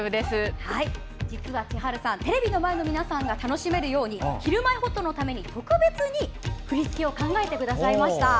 実は千晴さんテレビの前の皆さんが楽しめるように「ひるまえほっと」のために特別に振り付けを考えてくださいました。